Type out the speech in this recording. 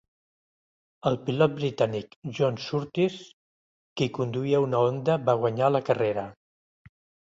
El pilot britànic, John Surtees qui conduïa una Honda va guanyar la carrera.